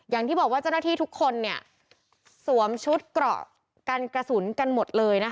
อย่างที่บอกว่าเจ้าหน้าที่ทุกคนสวมชุดเกราะกันกระสุนกันหมดเลยนะคะ